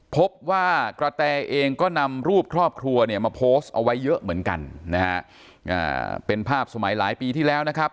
พบว่ากระแตเองก็นำรูปครอบครัวเนี่ยมาโพสต์เอาไว้เยอะเหมือนกันนะฮะเป็นภาพสมัยหลายปีที่แล้วนะครับ